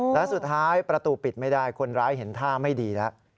และสุดท้ายประตูปิดไม่ได้คนร้ายเห็นท่าไม่ดีแล้ว